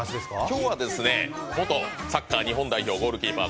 今日は元サッカー日本代表ゴールキーパー、